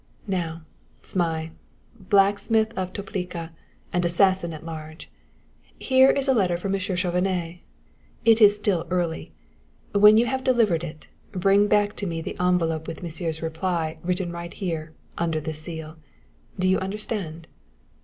"Now, Zmai, blacksmith of Toplica, and assassin at large, here is a letter for Monsieur Chauvenet. It is still early. When you have delivered it, bring me back the envelope with Monsieur's receipt written right here, under the seal. Do you understand?"